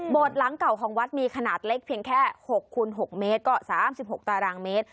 หลังเก่าของวัดมีขนาดเล็กเพียงแค่๖คูณ๖เมตรก็๓๖ตารางเมตร